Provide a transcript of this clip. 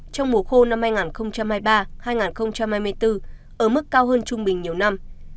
trong mùa khô năm hai nghìn hai mươi ba hai nghìn hai mươi bốn ở mức cao hơn trung bình nhiều năm